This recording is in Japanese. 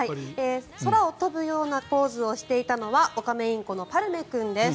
空を飛ぶようなポーズをしていたのはオカメインコのパルメ君です。